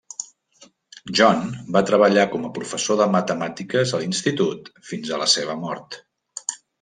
John va treballar com a professor de matemàtiques a l'institut fins a la seva mort.